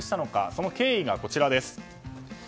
その経緯が、こちらです。